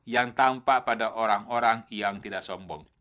yang tampak pada orang orang yang tidak sombong